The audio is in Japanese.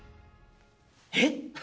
えっ？